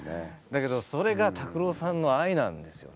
だけどそれが拓郎さんの愛なんですよね。